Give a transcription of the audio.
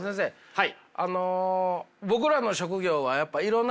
はい。